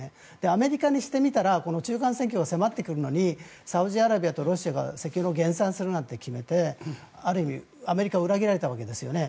アメリカにしてみたら中間選挙が迫ってくるのにサウジアラビアとロシアが石油を減産するなんて決めてある意味、アメリカは裏切られたわけですよね。